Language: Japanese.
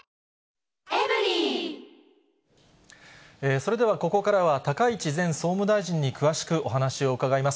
それでは、ここからは高市前総務大臣に詳しくお話を伺います。